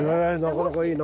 なかなかいい。